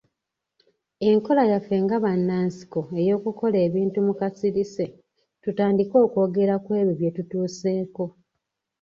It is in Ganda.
Enkola yaffe nga bannansiko ey'okukola ebintu mu kasirise, tutandike okwogera ku ebyo bye tutuuseeko.